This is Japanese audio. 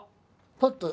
パッと。